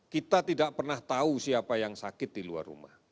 kita tidak pernah tahu siapa yang sakit di luar rumah